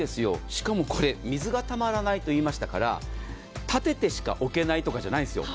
しかもこれ水がたまらないと言いましたから立ててしか置けないとかじゃないんですよ。